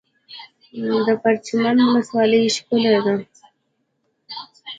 د پرچمن ولسوالۍ ښکلې ده